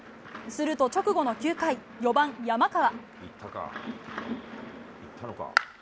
すると直後の９回、４番山川。